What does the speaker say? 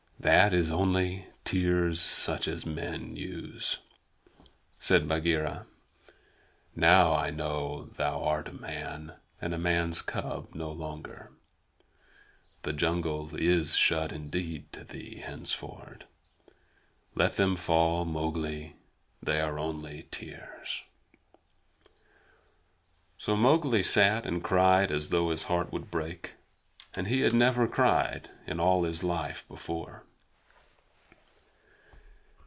That is only tears such as men use," said Bagheera. "Now I know thou art a man, and a man's cub no longer. The jungle is shut indeed to thee henceforward. Let them fall, Mowgli. They are only tears." So Mowgli sat and cried as though his heart would break; and he had never cried in all his life before.